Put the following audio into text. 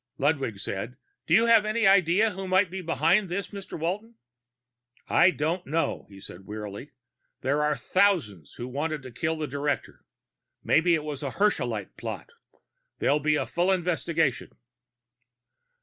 Ludwig said, "Do you have any idea who might be behind this, Mr. Walton?" "I don't know," he said wearily. "There are thousands who'd have wanted to kill the director. Maybe it was a Herschelite plot. There'll be a full investigation."